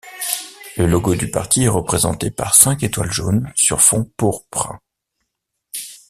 Le logo du parti est représenté par cinq étoiles jaunes sur un fond pourpre.